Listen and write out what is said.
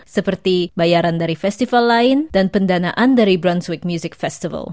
seperti bayaran dari festival lain dan pendanaan dari brontweet music festival